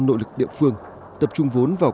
nội lực địa phương tập trung vốn vào